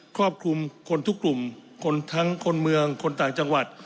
ครอบคลุมคนทุกกลุ่มคนทั้งคนเมืองคนต่างจังหวัด